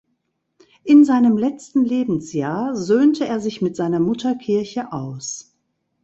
In seinem letzten Lebensjahr söhnte er sich mit seiner Mutterkirche aus.